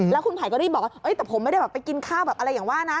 แล้วคุณภัยก็ได้บอกแต่ผมไม่ได้ไปกินข้าวแบบอะไรอย่างว่านะ